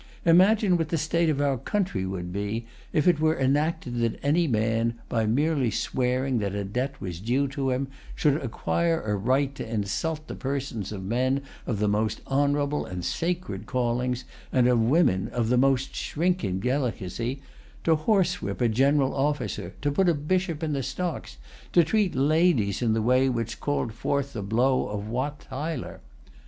Imagine what the state of our country would be, if it were enacted that any man, by merely swearing that a debt was due to him, should acquire a right to insult the persons of men of the most honorable and sacred callings and of women of the most shrinking delicacy, to horsewhip a general officer, to put a bishop in the stocks, to treat ladies in the way which called forth the blow of Wat Tyler.